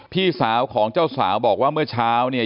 พี่สาวของเจ้าสาวบอกว่าเมื่อเช้าเนี่ย